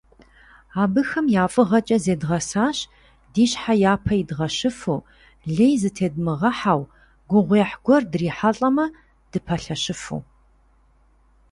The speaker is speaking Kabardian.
Абыхэм я фӀыгъэкӀэ зедгъэсащ ди щхьэ япэ идгъэщыфу, лей зытедмыгъэхьэу, гугъуехь гуэр дрихьэлӀамэ, дыпэлъэщыфу.